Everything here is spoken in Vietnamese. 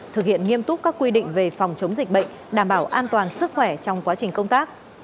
thực hiện nghiêm túc các quy định về phòng chống dịch bệnh đảm bảo an toàn sức khỏe trong quá trình công tác